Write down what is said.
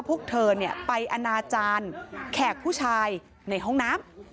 พวกเธอไปอนาจารย์แขกผู้ชายในห้องน้ำ